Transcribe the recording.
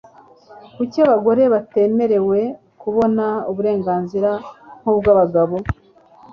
Kuki abagore batemerewe kubona uburenganzira nkubw'abagabo?